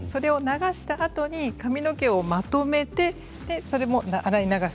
流したあとに髪の毛をまとめてそれも洗い流す。